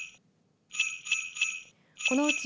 このうち